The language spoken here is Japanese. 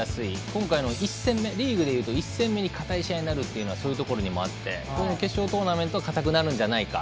今回のリーグでいうと１戦目は硬い試合になるというのはそういうところにもあって決勝トーナメントは硬くなるんじゃないか。